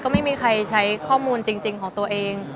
ไม่มีใครใช้ข้อมูลจริงของตัวเอง